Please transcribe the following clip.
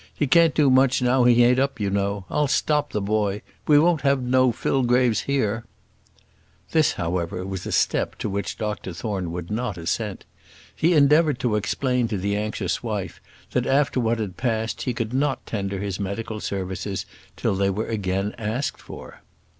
He can't do much now he ain't up, you know. I'll stop the boy; we won't have no Fillgraves here." This, however, was a step to which Dr Thorne would not assent. He endeavoured to explain to the anxious wife, that after what had passed he could not tender his medical services till they were again asked for.